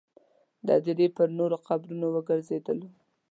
د هدیرې پر نورو قبرونو وګرځېدلو.